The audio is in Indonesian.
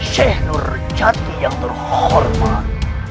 sheikh nur jati yang terhormat